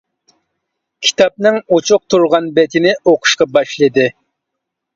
كىتابنىڭ ئوچۇق تۇرغان بېتىنى ئوقۇشقا باشلىدى.